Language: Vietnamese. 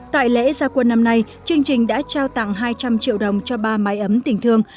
tại lễ gia quân năm nay chương trình đã trao tặng hai trăm linh triệu đồng cho ba mái ấm tình thương